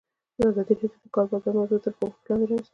ازادي راډیو د د کار بازار موضوع تر پوښښ لاندې راوستې.